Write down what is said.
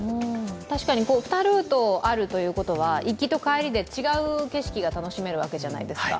確かに２ルートあるということは行きと帰りで違う景色が楽しめるわけじゃないですか。